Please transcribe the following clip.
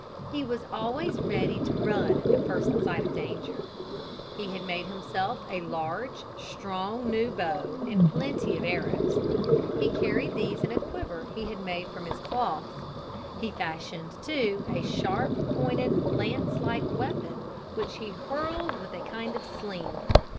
He was always ready to run at the first sign of danger. He had made himself a large, strong, new bow and plenty of arrows. He carried these in a quiver he had made from his cloth. He fashioned too a sharp pointed, lance like weapon which he hurled with a kind of sling.